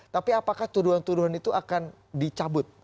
tapi apakah tuduhan tuduhan itu akan dicabut